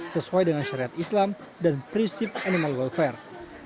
sesuai dengan syariat islam dan prinsip animal welfare